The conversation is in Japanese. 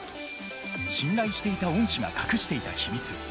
信頼していた恩師が隠していた秘密。